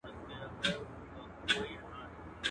پخواني جنګیالي ډېر زړور وو